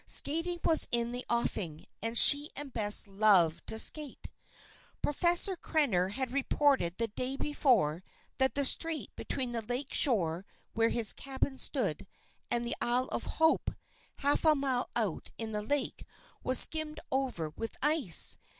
Skating was in the offing, and she and Bess loved to skate. Professor Krenner had reported the day before that the strait between the lake shore where his cabin stood, and the Isle of Hope, half a mile out in the lake, was skimmed over with ice.